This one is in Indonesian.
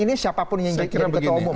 ini siapapun yang ketemu